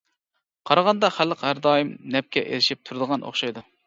قارىغاندا خەلق ھەر دائىم نەپكە ئېرىشىپ تۇرىدىغان ئوخشايدۇ.